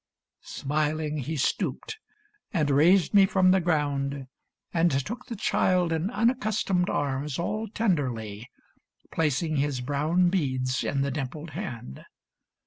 " Smiling he stooped And raised me from the ground, and took the child In unaccustomed arms all tenderly, Placing his brown beads in the dimpled hand.